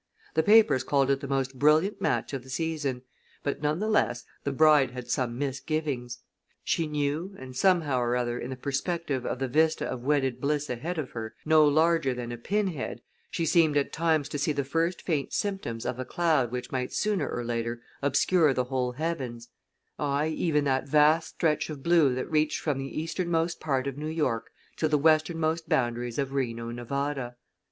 The papers called it the most brilliant match of the season, but, none the less, the bride had some misgivings. She knew, and somehow or other in the perspective of the vista of wedded bliss ahead of her, no larger than a pin head, she seemed at times to see the first faint symptoms of a cloud which might sooner or later obscure the whole heavens; aye, even that vast stretch of blue that reached from the easternmost part of New York to the westernmost boundaries of Reno, Nevada.